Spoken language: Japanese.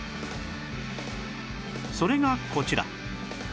それがこちら